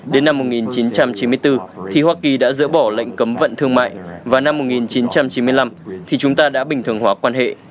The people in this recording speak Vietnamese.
đến năm một nghìn chín trăm chín mươi bốn thì hoa kỳ đã dỡ bỏ lệnh cấm vận thương mại vào năm một nghìn chín trăm chín mươi năm thì chúng ta đã bình thường hóa quan hệ